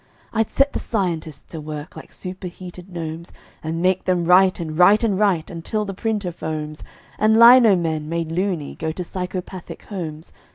I'd set the scientists to work like superheated gnomes, And make them write and write and write until the printer foams And lino men, made "loony", go to psychopathic homes.